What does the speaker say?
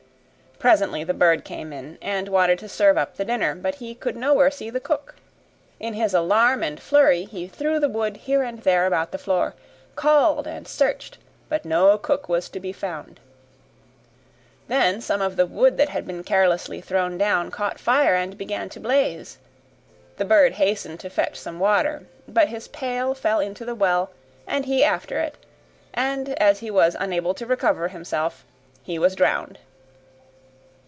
Presently the bird came in and wanted to serve up the dinner, but he could nowhere see the cook. In his alarm and flurry, he threw the wood here and there about the floor, called and searched, but no cook was to be found. Then some of the wood that had been carelessly thrown down, caught fire and began to blaze. The bird hastened to fetch some water, but his pail fell into the well, and he after it, and as he was unable to recover himself, he was drowned.